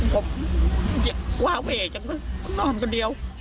ผมผมวาเว่จังนะนอนกันเดียว